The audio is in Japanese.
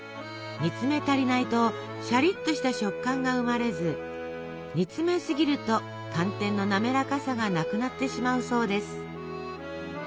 煮詰め足りないとシャリッとした食感が生まれず煮詰めすぎると寒天の滑らかさがなくなってしまうそうです。